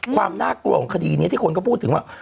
ความน่ากลัวของคดีนี้ที่คนก็พูดถึงว่า